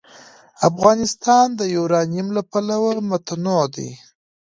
افغانستان د یورانیم له پلوه متنوع دی.